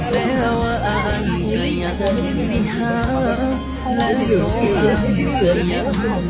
แม้ว่าอาหารก็ยังไม่มีสิทธิ์ห้างและน้องอาหารยังห่าง